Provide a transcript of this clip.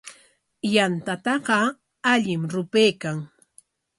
Yantataqa allim rupaykan.